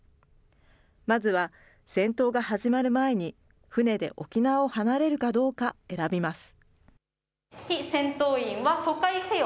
まずは戦闘が始まる前に、船で沖縄を離れるかどうか選びます。